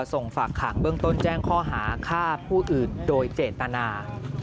ส่งฝากขังเบื้องต้นแจ้งข้อหาฆ่าผู้อื่นโดยเจตนา